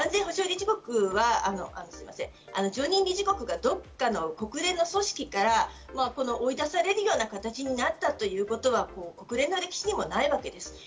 まず安全保障理事国は、すみません、常任理事国がどこかの国連の組織から追い出されるような形になったということは国連の歴史にもないわけです。